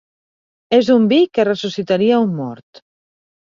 És un vi que ressuscitaria un mort.